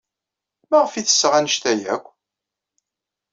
Maɣef ay ttesseɣ anect-a akk?